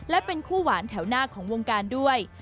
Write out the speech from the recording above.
และเป็นคู่หวานแถวหน้าของวงการด้วย